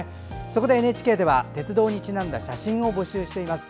そこでＮＨＫでは鉄道にちなんだ写真を募集しています。